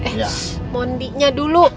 eh mondinya dulu